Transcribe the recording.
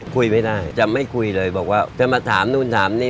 คุยไม่ได้จะไม่คุยเลยบอกว่าจะมาถามนู่นถามนี่